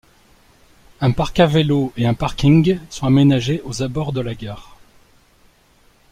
Un parc à vélos et un parking sont aménagés aux abords de la gare.